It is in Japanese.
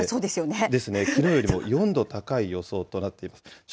ですね、きのうより４度高い予想となっています。